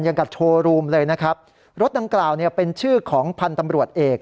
อย่างกับโชว์รูมเลยนะครับรถดังกล่าวเนี่ยเป็นชื่อของพันธุ์ตำรวจเอก